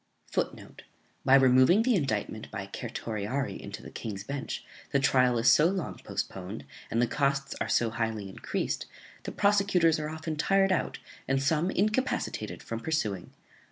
[Footnote: By removing the indictment by certiorari into the King's Bench, the trial is so long postponed, and the costs are so highly encreased, that prosecutors are often tired out, and some incapacitated from pursuing.